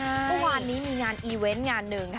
เมื่อวานนี้มีงานอีเวนต์งานหนึ่งค่ะ